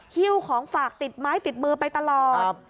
ฮิ้วของฝากติดไม้ติดมือไปตลอด